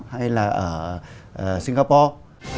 hay là ở singapore